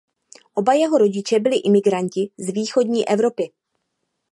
Oba jeho rodiče byli imigranti z východní Evropy.